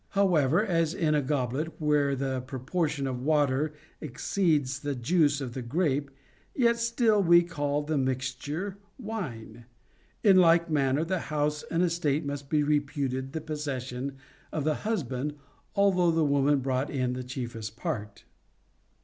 However, as in a goblet where the proportion of water exceeds the juice of the grape, yet still we call the mixture wine ; in like manner the house and estate must be reputed the possession of the husband, although the woman brought the chiefest part.